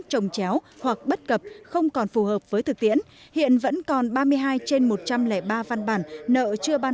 trồng chéo hoặc bất cập không còn phù hợp với thực tiễn hiện vẫn còn ba mươi hai trên một trăm linh ba văn bản nợ chưa ban